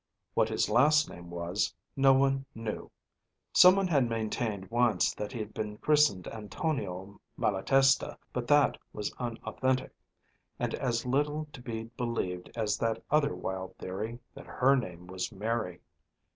What his last name was, no one knew. Someone had maintained once that he had been christened Antonio Malatesta, but that was unauthentic, and as little to be believed as that other wild theory that her name was Mary.